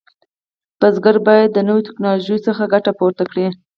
کروندګر باید د نوو ټکنالوژیو څخه ګټه پورته کړي.